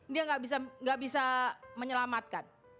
dia gak bisa menyelamatkan